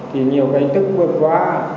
thì nhiều cái tức vượt quá